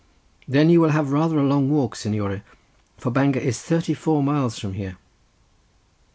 "Then you will have rather a long walk, signore, for Bangor is thirty four miles from here."